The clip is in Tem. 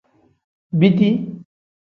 Biti.